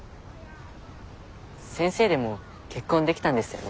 先生でも結婚できたんですよね？